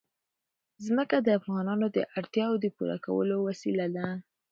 ځمکه د افغانانو د اړتیاوو د پوره کولو وسیله ده.